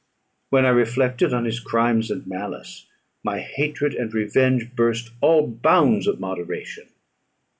When I reflected on his crimes and malice, my hatred and revenge burst all bounds of moderation.